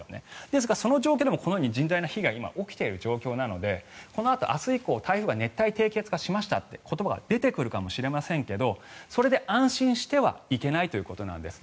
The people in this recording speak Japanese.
ですが、その状況でもこのように甚大な被害が起きている状況なのでこのあと、明日以降台風が熱帯低気圧化しましたって言葉が出てくるかもしれませんがそれで安心してはいけないということなんです。